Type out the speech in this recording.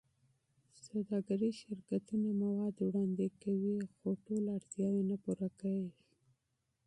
سوداګریز شرکتونه مواد وړاندې کوي، خو ټول اړتیاوې نه پوره کېږي.